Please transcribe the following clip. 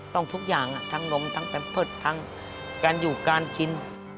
ทุกอย่างทั้งนมทั้งแพมเพิร์ตทั้งการอยู่การกิน